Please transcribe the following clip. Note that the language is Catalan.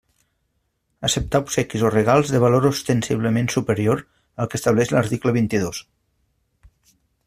Acceptar obsequis o regals de valor ostensiblement superior al que estableix l'article vint-i-dos.